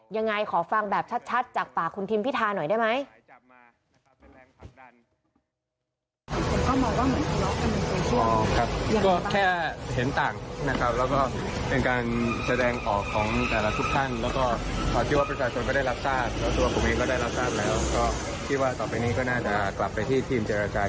ยังไงขอฟังแบบชัดจากปากคุณทิมพิธาหน่อยได้ไหม